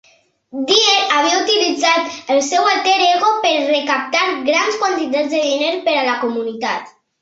Dyer havia utilitzat el seu alter ego per recaptar grans quantitats de diners per a la comunitat.